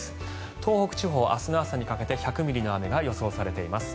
東北地方、明日の朝にかけて１００ミリの雨が予想されています。